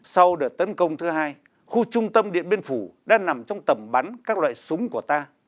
sau đợt tấn công thứ hai khu trung tâm điện biên phủ đang nằm trong tầm bắn các loại súng của ta